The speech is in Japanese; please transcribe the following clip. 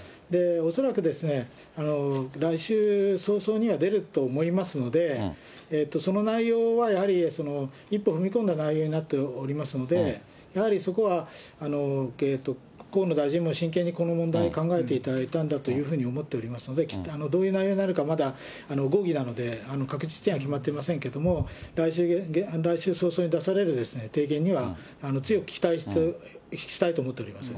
恐らく、来週早々には出ると思いますので、その内容はやはり、一歩踏み込んだ内容になっておりますので、やはりそこは、河野大臣も真剣にこの問題を考えていただいたんだというふうに思っておりますので、きっと、どういう内容になるか、まだなので、可決しては、決まっておりませんけれども、来週早々に出される提言には、強く期待したいと思っております。